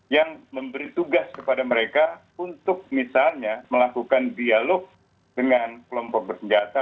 yang memberi tugas kepada mereka untuk misalnya melakukan dialog dengan kelompok bersenjata